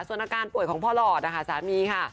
ส่วนอาการป่วยของพ่อหลอดนะคะสามีค่ะ